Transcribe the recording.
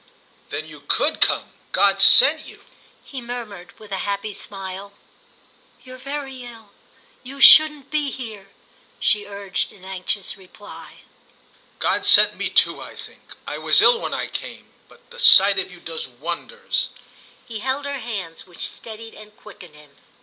"Then you could come? God sent you!" he murmured with a happy smile. "You're very ill—you shouldn't be here," she urged in anxious reply. "God sent me too, I think. I was ill when I came, but the sight of you does wonders." He held her hands, which steadied and quickened him.